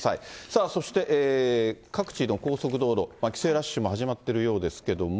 さあ、そして、各地の高速道路、帰省ラッシュも始まっているようですけれども。